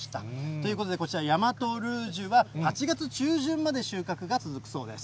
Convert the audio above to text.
ということで、こちら、大和ルージュは８月中旬まで収穫が続くそうです。